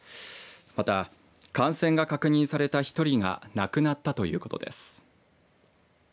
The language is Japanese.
また、感染が確認された１人が亡くなったということです。